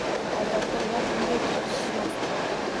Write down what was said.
Odatda ular bunday ko`rishishmasdi